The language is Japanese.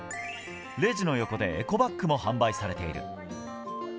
レジの横でエコバッグも販売されている。